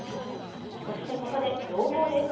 そしてここで朗報です。